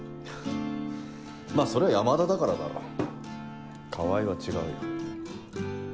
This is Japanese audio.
まぁそれは山田だからだろ川合は違うよ。